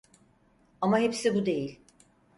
Ama hepsi bu değil.